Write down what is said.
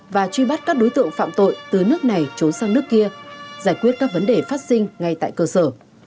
và truy bắt các đối tượng phạm tội từ nước này trốn sang nước kia giải quyết các vấn đề phát sinh ngay tại cơ sở